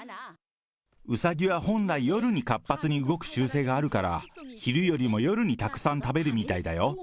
うさぎは本来、夜に活発に動く習性があるから、昼よりも夜にたくさん食べるみたいだよ。